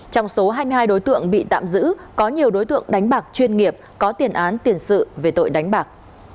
trong số hai mươi hai đối tượng bị tạm giữ có nhiều đối tượng đánh bạc chuyên nghiệp có tiền án tiền sự về tội đánh bạc